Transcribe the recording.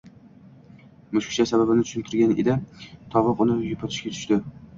Mushukcha sababini tushuntirgan edi, tovuq uni yupatishga tushdi